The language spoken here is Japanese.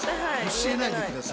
教えないで下さい。